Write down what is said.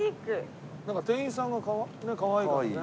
なんか店員さんがかわいいからね。